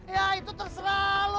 ya itu terserah lu